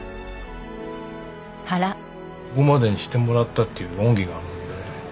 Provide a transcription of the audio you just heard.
ここまでにしてもらったという恩義があるので。